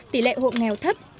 tỉ lệ hộ nghèo thấp